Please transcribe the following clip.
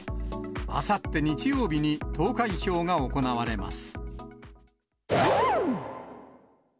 あさって日曜日に投開票が行われます。